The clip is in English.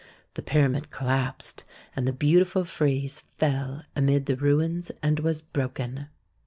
The pyramid collapsed, and the beautiful frieze fell amid the ruins and was broken.